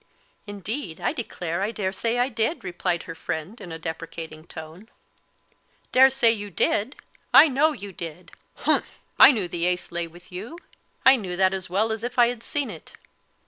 "Indeed, I declare, I daresay I did," replied her friend in a deprecating tone. "Daresay you did! I know you did humph! I knew the ace lay with you; I knew that as well as if I had seen it.